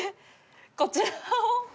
こちらを。